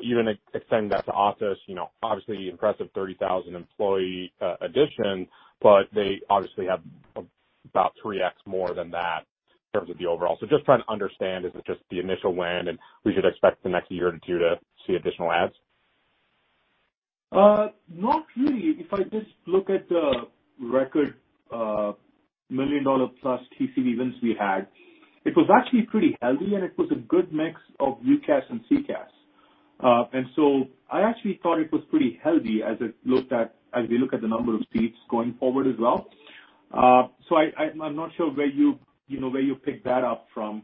even extend that to Office? Obviously, impressive 30,000 employee addition, they obviously have about 3x more than that in terms of the overall. Just trying to understand, is it just the initial win and we should expect the next year to two to see additional adds? Not really. If I just look at the record million-dollar plus TCV wins we had, it was actually pretty healthy, and it was a good mix of UCaaS and CCaaS. I actually thought it was pretty healthy as we look at the number of seats going forward as well. I'm not sure where you picked that up from.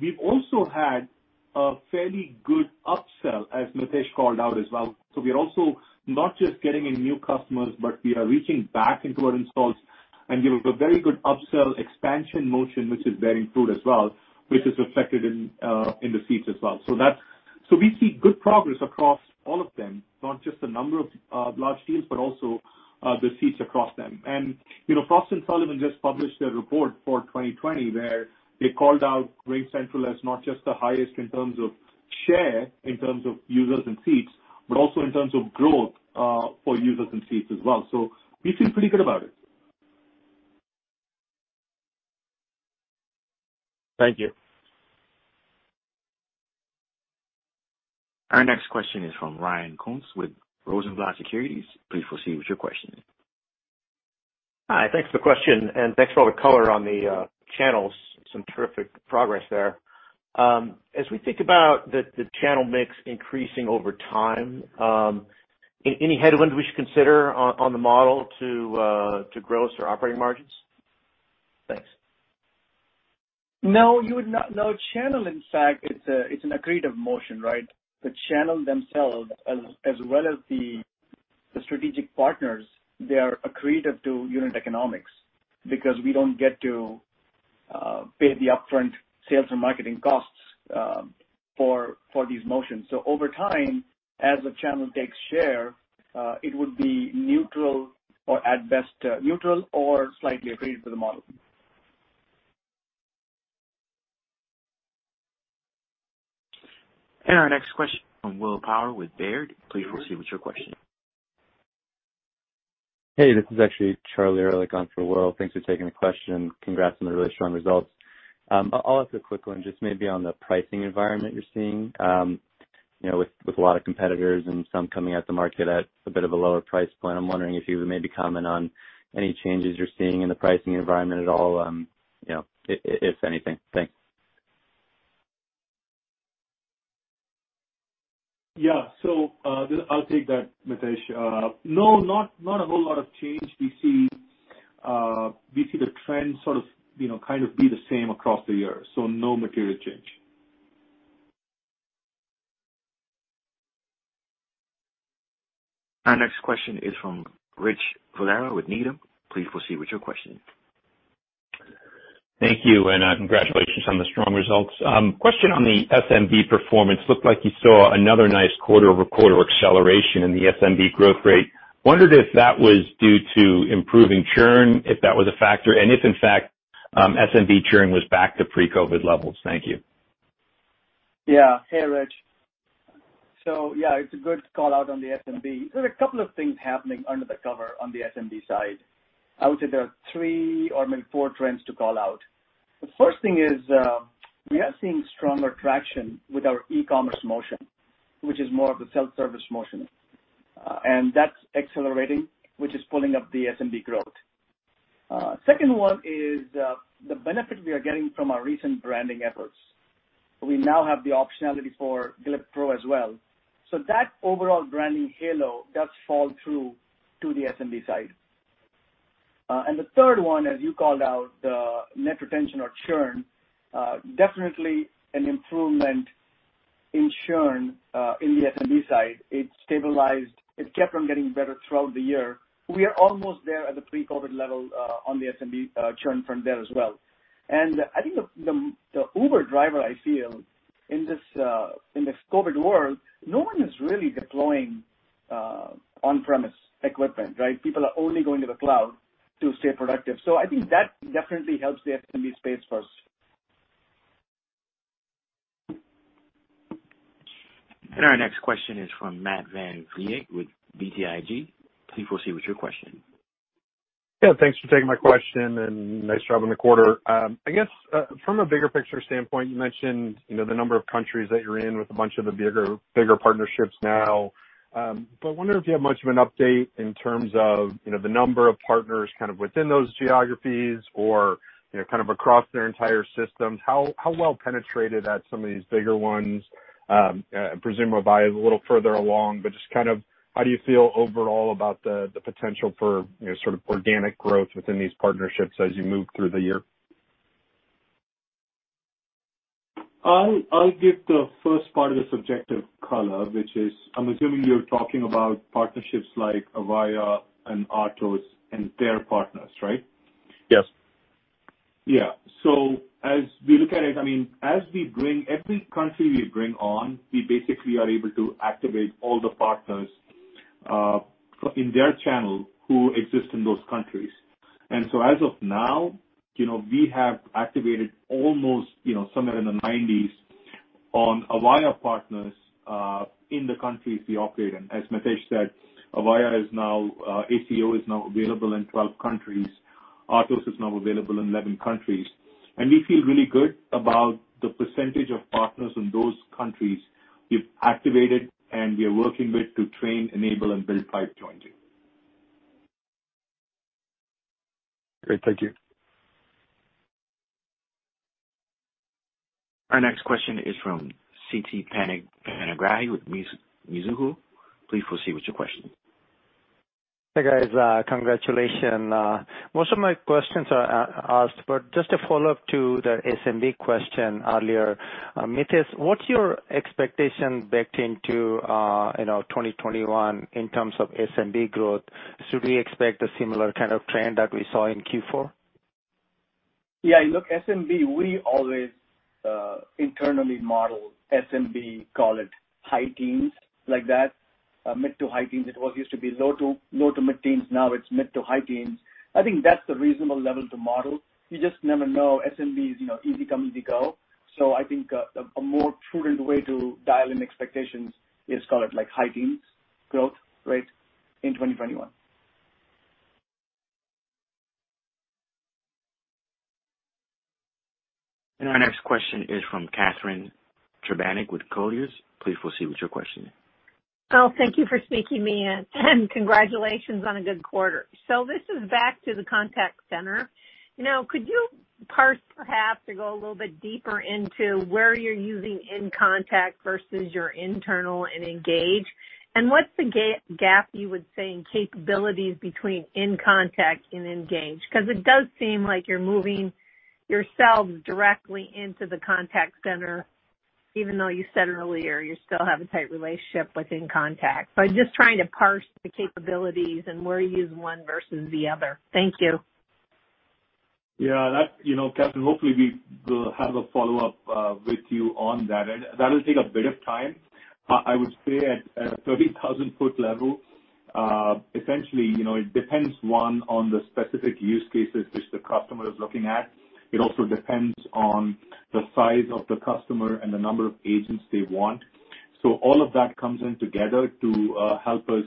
We've also had a fairly good upsell, as Mitesh called out as well. We are also not just getting in new customers, but we are reaching back into our installs and giving a very good upsell expansion motion, which is bearing fruit as well, which is reflected in the seats as well. We see good progress across all of them, not just the number of large deals, but also the seats across them. Frost & Sullivan just published their report for 2020, where they called out RingCentral as not just the highest in terms of users and seats, but also in terms of growth for users and seats as well. We feel pretty good about it. Thank you. Our next question is from Ryan Koontz with Rosenblatt Securities. Please proceed with your question. Hi. Thanks for the question. Thanks for all the color on the channels. Some terrific progress there. As we think about the channel mix increasing over time, any headwinds we should consider on the model to gross or operating margins? Thanks. No, channel, in fact, it's an accretive motion, right? The channel themselves as well as the strategic partners, they are accretive to unit economics because we don't get to pay the upfront sales and marketing costs for these motions. Over time, as the channel takes share, it would be neutral or at best neutral or slightly accretive to the model. Our next question from Will Power with Baird. Please proceed with your question. Hey, this is actually Charlie Erlikh on for Will. Thanks for taking the question. Congrats on the really strong results. I'll ask a quick one, just maybe on the pricing environment you're seeing. With a lot of competitors and some coming at the market at a bit of a lower price point, I'm wondering if you would maybe comment on any changes you're seeing in the pricing environment at all, if anything. Thanks. Yeah. I'll take that, Mitesh. No, not a whole lot of change. We see the trend sort of be the same across the year, so no material change. Our next question is from Rich Valera with Needham. Please proceed with your question. Thank you. Congratulations on the strong results. Question on the SMB performance. Looked like you saw another nice quarter-over-quarter acceleration in the SMB growth rate. Wondered if that was due to improving churn, if that was a factor, and if in fact, SMB churn was back to pre-COVID levels. Thank you. Hey, Rich. It's a good call-out on the SMB. There's a couple of things happening under the cover on the SMB side. I would say there are three or maybe four trends to call out. The first thing is, we are seeing stronger traction with our e-commerce motion, which is more of the self-service motion. That's accelerating, which is pulling up the SMB growth. Second one is the benefit we are getting from our recent branding efforts. We now have the optionality for Glip Pro as well. That overall branding halo does fall through to the SMB side. The third one, as you called out, the net retention or churn, definitely an improvement in churn in the SMB side. It stabilized. It kept on getting better throughout the year. We are almost there at the pre-COVID level on the SMB churn front there as well. I think the uber driver I feel in this COVID world, no one is really deploying on-premise equipment, right? People are only going to the cloud to stay productive. I think that definitely helps the SMB space for us. Our next question is from Matt VanVliet with BTIG. Please proceed with your question. Yeah, thanks for taking my question, and nice job on the quarter. I guess from a bigger picture standpoint, you mentioned the number of countries that you're in with a bunch of the bigger partnerships now. Wondering if you have much of an update in terms of the number of partners kind of within those geographies or kind of across their entire systems. How well penetrated at some of these bigger ones? I presume Avaya is a little further along, but just kind of how do you feel overall about the potential for sort of organic growth within these partnerships as you move through the year? I'll give the first part of the subjective color, which is, I'm assuming you're talking about partnerships like Avaya and Atos and their partners, right? Yes. Yeah. As we look at it, every country we bring on, we basically are able to activate all the partners in their channel who exist in those countries. As of now, we have activated almost somewhere in the 90s on Avaya partners in the countries we operate in. As Mitesh said, Avaya is now, ACO is now available in 12 countries. Atos is now available in 11 countries. We feel really good about the percentage of partners in those countries we've activated and we are working with to train, enable, and build pipe jointly. Great. Thank you. Our next question is from Siti Panigrahi with Mizuho. Please proceed with your question. Hey, guys. Congratulations. Most of my questions are asked, just a follow-up to the SMB question earlier. Mitesh, what's your expectation backed into 2021 in terms of SMB growth? Should we expect a similar kind of trend that we saw in Q4? Yeah. Look, SMB, we always internally model SMB, call it high teens, like that. Mid to high teens. It used to be low to mid-teens, now it's mid to high teens. I think that's the reasonable level to model. You just never know, SMB is easy come, easy go. I think a more prudent way to dial in expectations is call it like high teens growth rate in 2021. Our next question is from Catharine Trebnick with Colliers. Please proceed with your question. Well, thank you for sneaking me in. Congratulations on a good quarter. This is back to the contact center. Could you parse perhaps to go a little bit deeper into where you're using inContact versus your internal in Engage? What's the gap, you would say, in capabilities between inContact and Engage? It does seem like you're moving yourselves directly into the contact center, even though you said earlier you still have a tight relationship with inContact. I'm just trying to parse the capabilities and where you use one versus the other. Thank you. Yeah. Catharine, hopefully we will have a follow-up with you on that. That'll take a bit of time. I would say at a 30,000-foot level, essentially, it depends, one, on the specific use cases which the customer is looking at. It also depends on the size of the customer and the number of agents they want. All of that comes in together to help us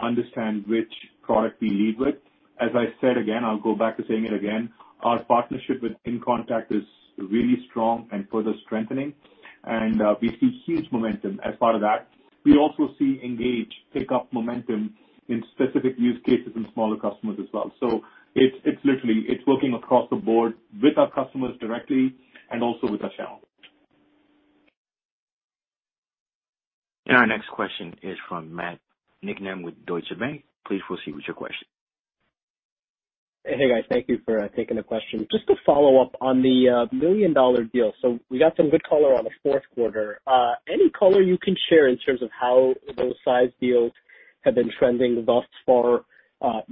understand which product we lead with. As I said, again, I'll go back to saying it again, our partnership with inContact is really strong and further strengthening, and we see huge momentum as part of that. We also see Engage pick up momentum in specific use cases in smaller customers as well. It's working across the board with our customers directly and also with our channel. Our next question is from Matt Niknam with Deutsche Bank. Please proceed with your question. Hey, guys. Thank you for taking the question. Just to follow up on the million-dollar deal. We got some good color on the fourth quarter. Any color you can share in terms of how those size deals have been trending thus far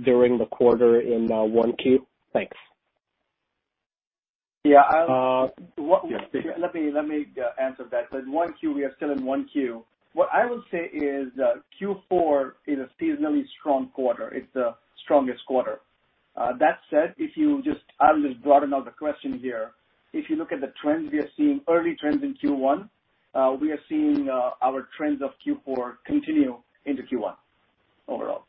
during the quarter in 1Q? Thanks. Yeah. Yes, please. Let me answer that. In 1Q, we are still in 1Q. What I will say is Q4 is a seasonally strong quarter. It's the strongest quarter. That said, I'll just broaden out the question here. If you look at the trends we are seeing, early trends in Q1, we are seeing our trends of Q4 continue into Q1 overall.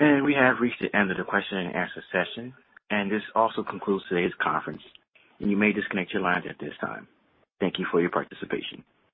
We have reached the end of the question and answer session, and this also concludes today's conference. You may disconnect your lines at this time. Thank you for your participation.